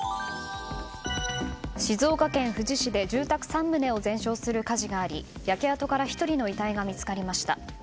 静岡県富士市で住宅３棟を全焼する火事があり焼け跡から１人の遺体が見つかりました。